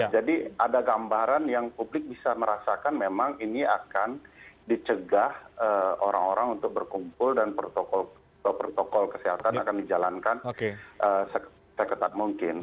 jadi ada gambaran yang publik bisa merasakan memang ini akan dicegah orang orang untuk berkumpul dan protokol kesehatan akan dijalankan seketat mungkin